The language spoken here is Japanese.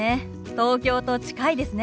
東京と近いですね。